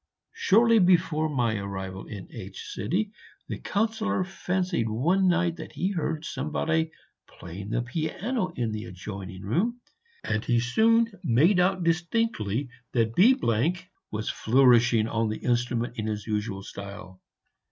Shortly before my arrival in H , the Councillor fancied one night that he heard somebody playing the piano in the adjoining room, and he soon made out distinctly that B was flourishing on the instrument in his usual style.